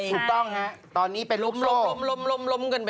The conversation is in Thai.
ถูกต้องฮะตอนนี้เป็นโลกล้มกันเป็น